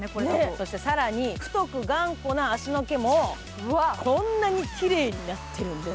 そして更に太く頑固な脚の毛もこんなにきれいになってるんです。